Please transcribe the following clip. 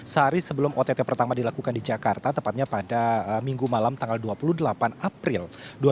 sehari sebelum ott pertama dilakukan di jakarta tepatnya pada minggu malam tanggal dua puluh delapan april dua ribu dua puluh